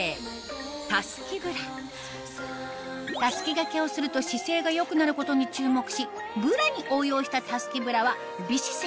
タスキ掛けをすると姿勢が良くなることに注目しブラに応用したＴＡ・ＳＵ・ＫＩブラは美姿勢